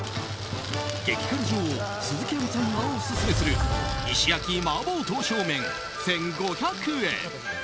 激辛女王・鈴木亜美さんがオススメする石焼麻婆刀削麺、１５００円。